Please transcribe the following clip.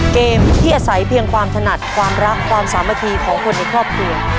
เกมที่อาศัยเพียงความถนัดความรักความสามัคคีของคนในครอบครัว